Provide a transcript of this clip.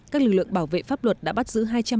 các lực lượng bảo vệ pháp luật đã bắt giữ